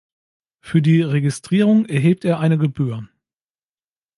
Für die Registrierung erhebt er eine Gebühr.